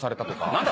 何だ？